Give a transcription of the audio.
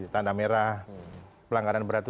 tanda merah pelanggaran berat itu